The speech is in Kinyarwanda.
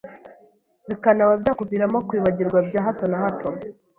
bikanaba byakuviramo kwibagirwa bya hato na hato.